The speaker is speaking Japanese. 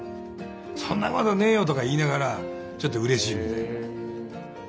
「そんなことねえよ！」とか言いながらちょっとうれしいみたいな。